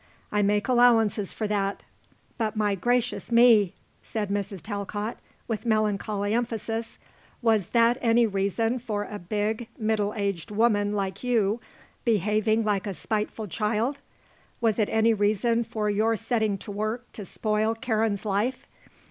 I make allowances for that; but my gracious me," said Mrs. Talcott with melancholy emphasis, "was that any reason for a big middle aged woman like you behaving like a spiteful child? Was it any reason for your setting to work to spoil Karen's life?